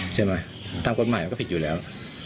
ใช่ไหมธนตร์กฎหมายก็ผิดอยู่แล้ว